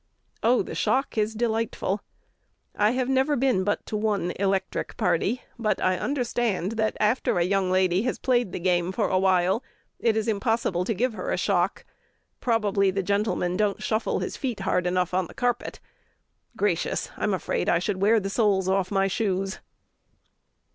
Oh, the shock is delightful! I have never been but to one electric party, but I understand that after a young lady has played the game for a while it is impossible to give her a shock. Probably the gentleman don't shuffle his feet hard enough on the carpet. Gracious! I'm afraid I should wear the soles off my shoes."